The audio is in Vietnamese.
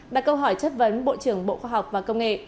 đặt câu hỏi chất vấn bộ trưởng bộ khoa học và công nghệ